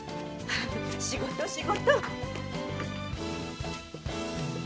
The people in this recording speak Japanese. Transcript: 仕事仕事。